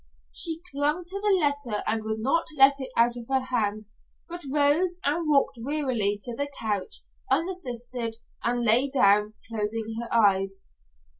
She clung to the letter and would not let it out of her hand, but rose and walked wearily to the couch unassisted and lay down, closing her eyes.